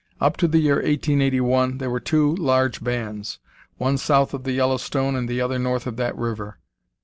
Up to the year 1881 there were two large bands, one south of the Yellowstone and the other north of that river.